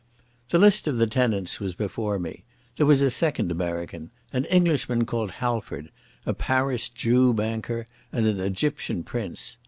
The list of the tenants was before me. There was a second American, an Englishman called Halford, a Paris Jew banker, and an Egyptian prince.